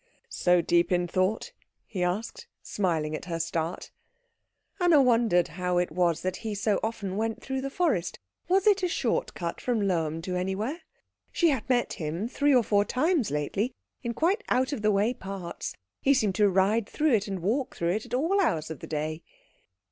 "So deep in thought?" he asked, smiling at her start. Anna wondered how it was that he so often went through the forest. Was it a short cut from Lohm to anywhere? She had met him three or four times lately, in quite out of the way parts. He seemed to ride through it and walk through it at all hours of the day.